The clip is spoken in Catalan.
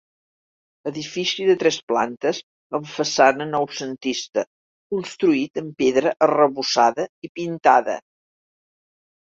Edifici de tres plantes amb façana noucentista, construït amb pedra arrebossada i pintada.